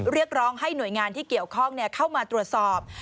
เรียกร้องให้หน่วยงานที่เกี่ยวข้องเข้ามาตรวจสอบ